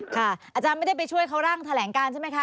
อาจารย์ไม่ได้ไปช่วยเขาร่างแถลงการใช่ไหมคะ